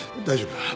大丈夫。